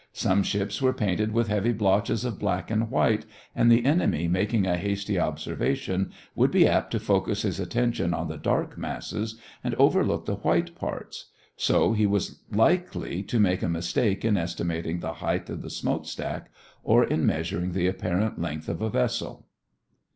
Some ships were painted with heavy blotches of black and white, and the enemy making a hasty observation would be apt to focus his attention on the dark masses and overlook the white parts. So he was likely to make a mistake in estimating the height of the smoke stack or in measuring the apparent length of a vessel.